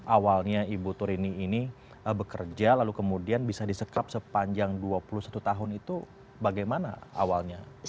awalnya ibu turini ini bekerja lalu kemudian bisa disekap sepanjang dua puluh satu tahun itu bagaimana awalnya